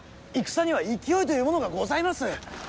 戦には勢いというものがございます。